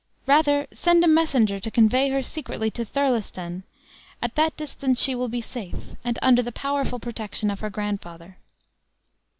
Rather send a messenger to convey her secretly to Thirlestan; at that distance she will be safe, and under the powerful protection of her grandfather."